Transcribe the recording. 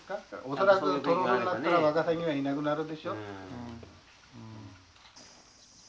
恐らくトロールになったらワカサギがいなくなるでしょ？